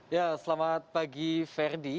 ya selamat pagi ferdi